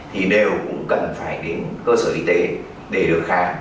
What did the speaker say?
thì đều cũng cần phải đến cơ sở y tế để được khám